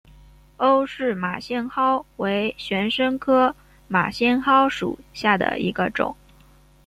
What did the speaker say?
欧氏马先蒿为玄参科马先蒿属下的一个种。